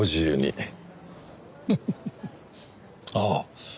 ああ。